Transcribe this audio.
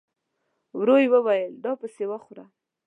ورو يې وويل: دا پسې وخوره!